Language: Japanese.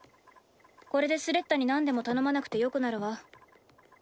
これでスレッタになんでも頼まなくてよくなるわ。